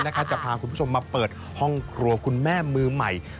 เราลุ้นเองได้ไหม